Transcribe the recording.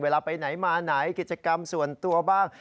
ไปไหนมาไหนกิจกรรมส่วนตัวบ้าง